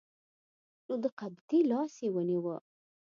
نو د قبطي لاس یې ونیوه.